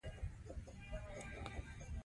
یو نبض تولیدوونکی برېښنايي سیګنال لېږي.